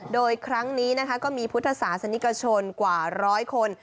โดยครั้งนี้นะคะก็มีพุทธศาสนิกชนกว่าร้อยคน